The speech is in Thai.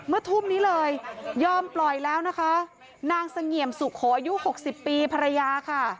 ทุ่มนี้เลยยอมปล่อยแล้วนะคะนางเสงี่ยมสุโขอายุหกสิบปีภรรยาค่ะ